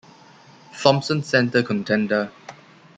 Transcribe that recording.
Thompson Center Contender.